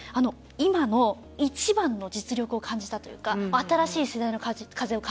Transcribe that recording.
今の一番の実力を感じたというか新しい世代の風を感じた。